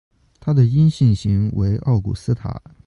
它的阴性型为奥古斯塔。